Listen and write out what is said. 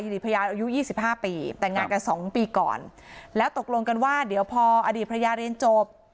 พยานอายุ๒๕ปีแต่งงานกันสองปีก่อนแล้วตกลงกันว่าเดี๋ยวพออดีตภรรยาเรียนจบ